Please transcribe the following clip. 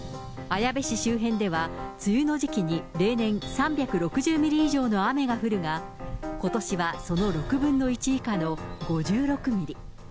綾部市周辺では、梅雨の時期に例年３６０ミリ以上の雨が降るが、ことしはその６分の１以下の５６ミリ。